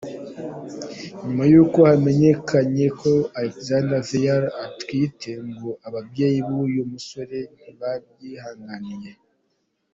Nyuma y’uko hamenyekanye ko Alexandria Vera atwite, ngo ababyeyi b’uyu musore ntibabyihanganiye.